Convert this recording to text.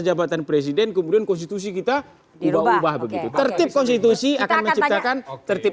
jabatan presiden kemudian konstitusi kita ubah ubah begitu tertib konstitusi akan menciptakan tertib